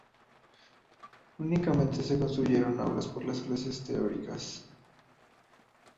Únicamente se construyeron aulas para las clases teóricas.